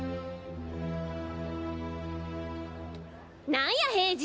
何や平次！